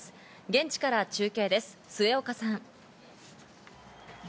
現地から中継です、末岡さん。